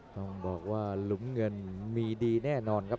ต้องบอกว่าหลุมเงินมีดีแน่นอนครับ